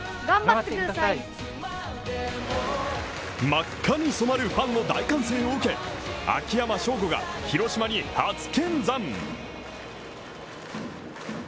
真っ赤に染まるファンの大歓声を受け、秋山翔吾が、広島に初見参！